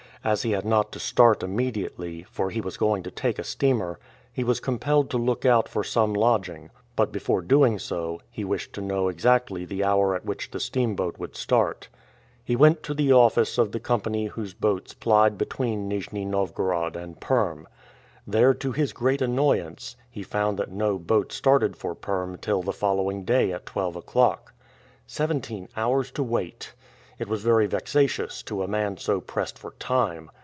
As he had not to start immediately, for he was going to take a steamer, he was compelled to look out for some lodging; but, before doing so, he wished to know exactly the hour at which the steamboat would start. He went to the office of the company whose boats plied between Nijni Novgorod and Perm. There, to his great annoyance, he found that no boat started for Perm till the following day at twelve o'clock. Seventeen hours to wait! It was very vexatious to a man so pressed for time.